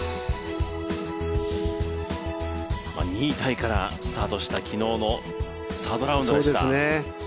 ２位タイからスタートした昨日のサードラウンドでした。